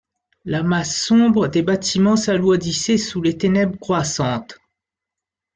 La masse sombre des bâtiments s’alourdissait sous les ténèbres croissantes.